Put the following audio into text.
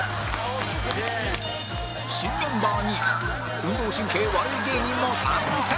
新メンバーに運動神経悪い芸人も参戦！